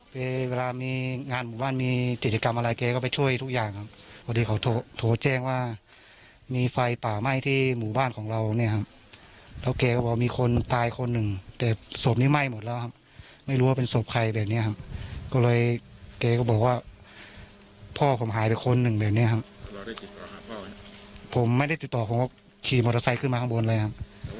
ผมไม่ได้ติดต่อผมก็ขี่มอเตอร์ไซค์ขึ้นมาข้างบนเลยครับ